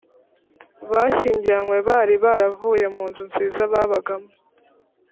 bashyingiranywe bari baravuye mu nzu nziza babagamo